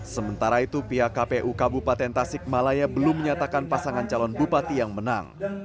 sementara itu pihak kpu kabupaten tasik malaya belum menyatakan pasangan calon bupati yang menang